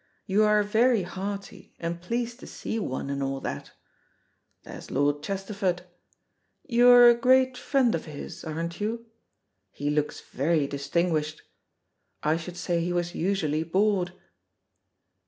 You are very hearty, and pleased to see one, and all that. There's Lord Chesterford. You're a great friend of his, aren't you? He looks very distinguished. I should say he was usually bored."